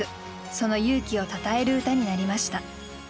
その勇気をたたえる歌になりました。